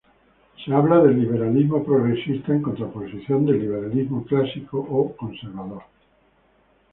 Se habla de liberalismo progresista en contraposición del liberalismo clásico o conservador.